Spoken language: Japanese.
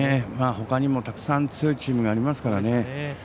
ほかにもたくさん強いチームがありますからね。